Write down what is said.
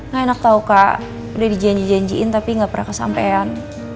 gak enak tau kak udah di janji janjiin tapi gak pernah kesampean